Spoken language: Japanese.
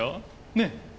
ねえ？